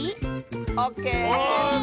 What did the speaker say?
オッケー！